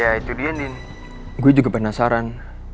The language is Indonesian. ya itu dia nih gue juga penasaran